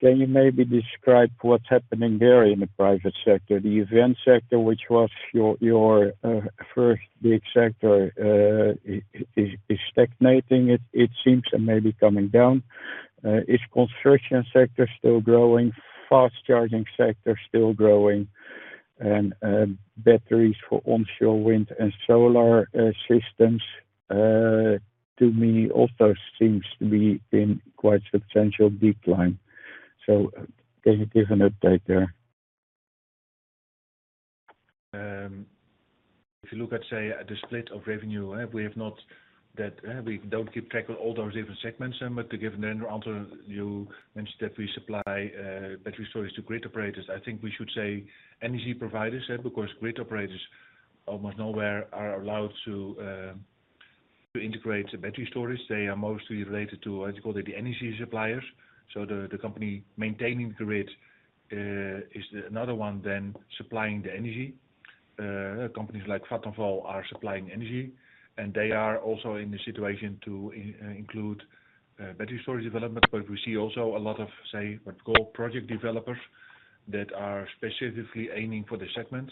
Can you maybe describe what's happening there in the private sector? The event sector, which was your first big sector, is stagnating, it seems, and maybe coming down. Is the construction sector still growing? Is the fast charging sector still growing? Batteries for onshore wind and solar systems, to me, also seem to be in quite a substantial decline. Can you give an update there? If you look at, say, the split of revenue, we have not that we don't keep track of all those different segments. To give an answer, you mentioned that we supply battery storage to grid operators. I think we should say energy providers because grid operators almost nowhere are allowed to integrate the battery storage. They are mostly related to, I'd call it, the energy suppliers. The company maintaining the grid is another one than supplying the energy. Companies like Vattenfall are supplying energy, and they are also in a situation to include battery storage development. We see also a lot of, say, what we call project developers that are specifically aiming for the segment.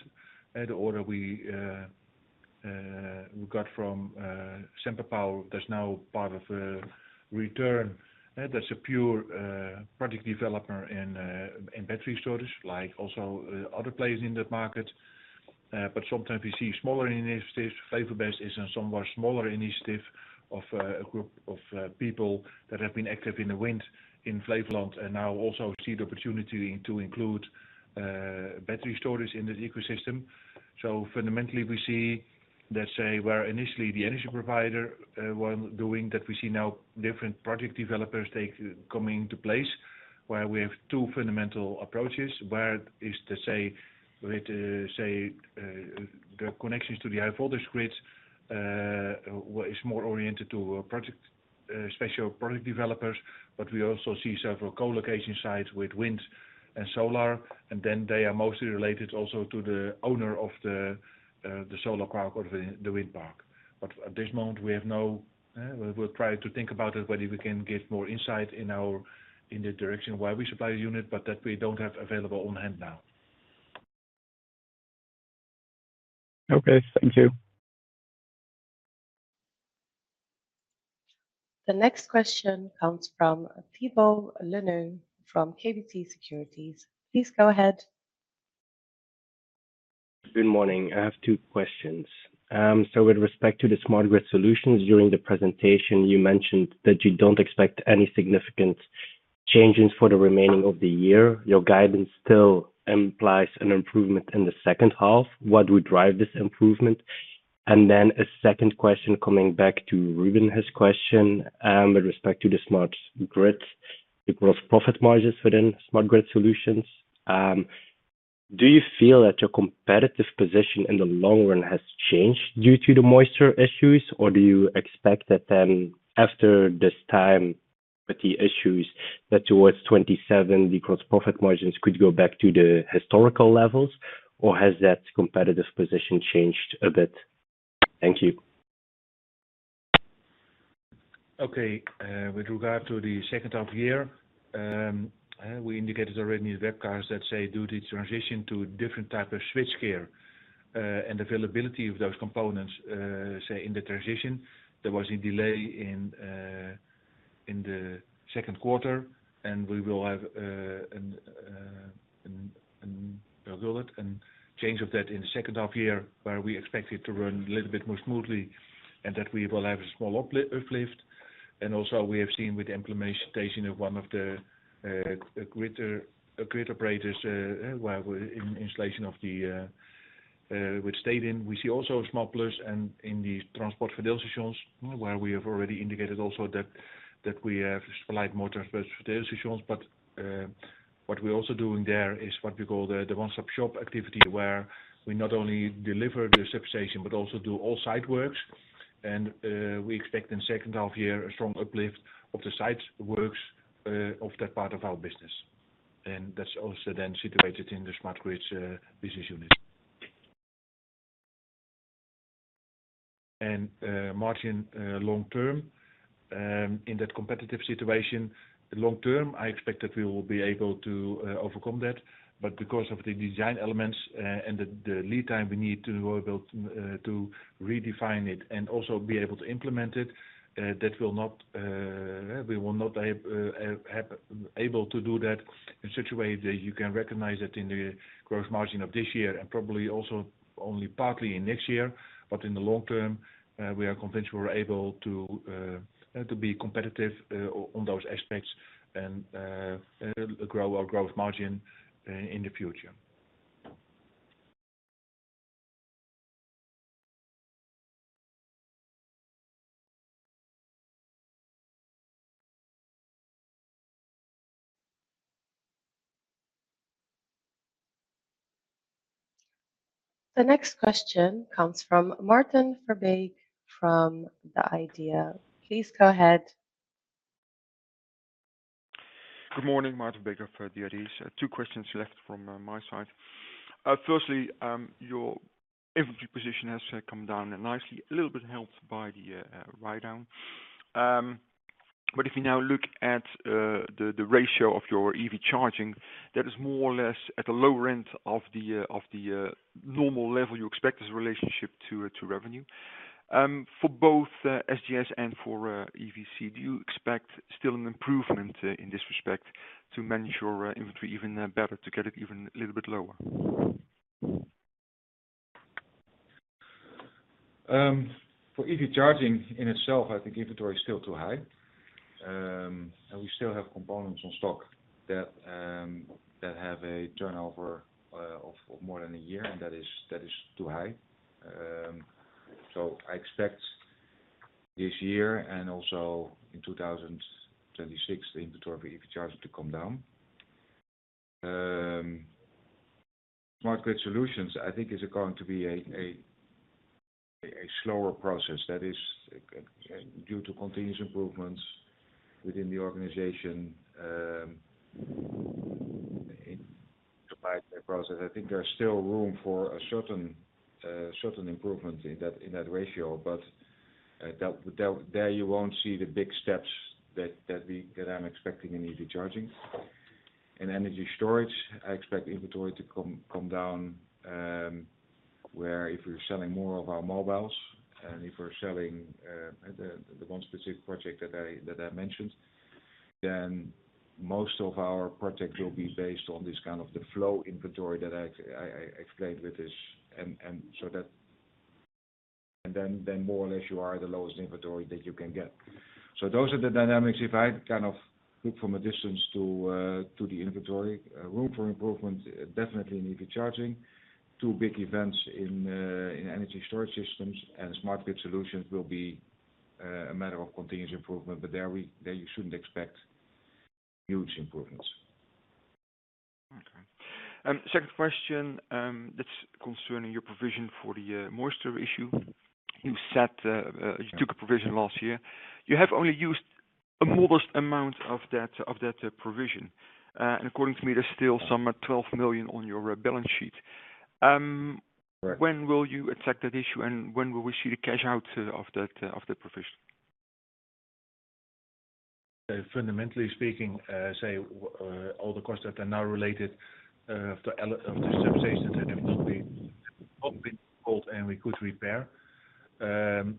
The order we got from SemperPower that's now part of Return, that's a pure project developer in battery storage, like also other players in that market. Sometimes we see smaller initiatives. FlevoBESS is a somewhat smaller initiative of a group of people that have been active in the wind in Flevoland and now also see the opportunity to include battery storage in the ecosystem. Fundamentally, we see that, say, where initially the energy provider was doing that, we see now different project developers coming into place where we have two fundamental approaches. Where is the, say, with, say, the connections to the high voltage grids is more oriented to special project developers. We also see several co-location sites with wind and solar. They are mostly related also to the owner of the solar park or the wind park. At this moment, we have no, we'll try to think about it whether we can get more insight in our in the direction where we supply the unit, but that we don't have available on hand now. Okay, thank you. The next question comes from Thibault Leneeuw from KBC Securities. Please go ahead. Good morning. I have two questions. With respect to the smart grid solutions, during the presentation, you mentioned that you don't expect any significant changes for the remaining of the year. Your guidance still implies an improvement in the second half. What would drive this improvement? A second question, coming back to Ruben's question with respect to the smart grid, the gross profit margins within smart grid solutions. Do you feel that your competitive position in the long run has changed due to the moisture issues, or do you expect that after this time with the issues, that towards 2027, the gross profit margins could go back to the historical levels, or has that competitive position changed a bit? Thank you. Okay. With regard to the second half year, we indicated already in the webcast that, due to the transition to different types of switchgear and the availability of those components, in the transition, there was a delay in the second quarter. We will have a change of that in the second half year where we expect it to run a little bit more smoothly and that we will have a small uplift. We have seen with the implementation of one of the grid operators where we're in the installation with Stedin, we see also a small plus in the transport fidelity shows where we have already indicated also that we have supplied more transport fidelity shown. What we're also doing there is what we call the one-stop shop activity where we not only deliver the subsidization but also do all site works. We expect in the second half year a strong uplift of the site works of that part of our business. That's also then situated in the smart grid solutions business unit. Margin long term, in that competitive situation, long term, I expect that we will be able to overcome that. Because of the design elements and the lead time we need to redefine it and also be able to implement it, we will not be able to do that in such a way that you can recognize that in the gross margin of this year and probably also only partly in next year. In the long term, we are convinced we're able to be competitive on those aspects and grow our gross margin in the future. The next question comes from Maarten Verbeek from The IDEA! Please go ahead. Good morning, Martin Baker for The IDEA! Two questions left from my side. Firstly, your inventory position has come down nicely, a little bit helped by the write-down. If you now look at the ratio of your EV charging, that is more or less at the lower end of the normal level you expect as a relationship to revenue. Smart grid solutions and for EVC, do you expect still an improvement in this respect to manage your inventory even better, to get it even a little bit lower? For EV charging in itself, I think inventory is still too high. We still have components on stock that have a turnover of more than a year, and that is too high. I expect this year and also in 2026 the inventory for EV charging to come down. Smart grid solutions, I think, is going to be a slower process. That is due to continuous improvements within the organization. I think there's still room for a certain improvement in that ratio, but there you won't see the big steps that I'm expecting in EV charging. In energy storage, I expect inventory to come down where if we're selling more of our mobiles and if we're selling the one specific project that I mentioned, then most of our project will be based on this kind of the flow inventory that I explained with this. More or less you are at the lowest inventory that you can get. Those are the dynamics. If I kind of look from a distance to the inventory, room for improvement definitely in EV charging. Two big events in energy storage systems and smart grid solutions will be a matter of continuous improvement. There you shouldn't expect huge improvements. Okay. Second question, that's concerning your provision for the moisture issue. You took a provision last year. You have only used a modest amount of that provision. According to me, there's still some 12 million on your balance sheet. When will you attack that issue and when will we see the cash out of that provision? Fundamentally speaking, say all the costs that are now related to subsidization that are not being called and we could repair. We're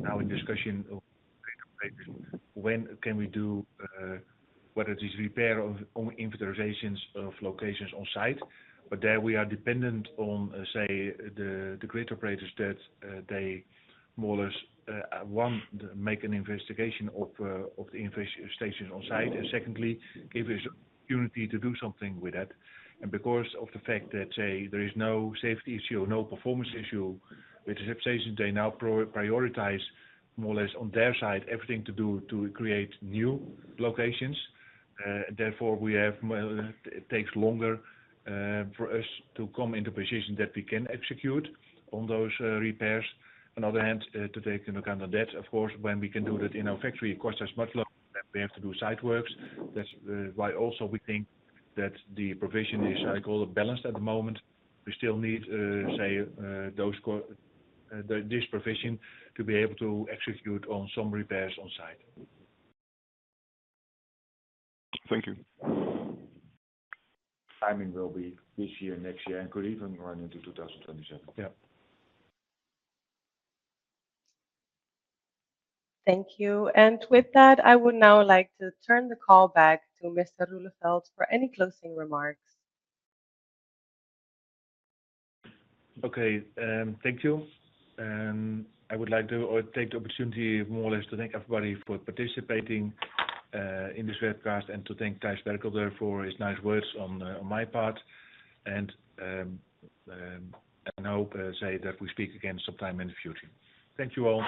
now in discussion of when can we do whether it is repair or inventorizations of locations on site. There we are dependent on, say, the grid operators that they more or less, one, make an investigation of the investigations on site, and secondly, give us opportunity. To do something with it. Because of the fact that, say, there is no safety issue, no performance issue, which is a position they now prioritize more or less on their side, everything to do to create new locations. Therefore, it takes longer for us to come into a position that we can execute on those repairs. On the other hand, take into account that, of course, when we can do that in our factory, it costs us much less. We have to do site works. That's why also we think that the provision is, I call it, balanced at the moment. We still need, say, this provision to be able to execute on some repairs on site. Thank you. Timing will be this year, next year, and could even run into 2027. Yeah. Thank you. With that, I would now like to turn the call back to Mr. Roeleveld for any closing remarks. Okay. Thank you. I would like to take the opportunity to thank everybody for participating in this webcast and to thank Thijs Berkelder for his nice words on my part. I hope that we speak again sometime in the future. Thank you all.